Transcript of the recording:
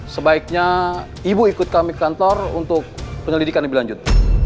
sebaiknya ibu ikut kami ke kantor untuk penyelidikan lebih lanjut